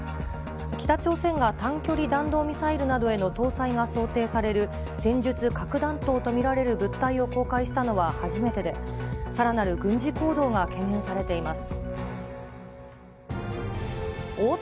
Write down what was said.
北朝鮮が短距離弾道ミサイルなどへの搭載が想定される、戦術核弾頭と見られる物体を公開したのは初めてで、さらなる軍事行動が懸念されています。